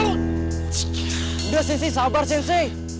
udah sensei sabar sensei